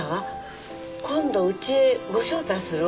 今度うちへご招待するわ。